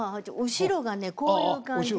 後ろがねこういう感じ。